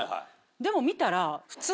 でも見たら。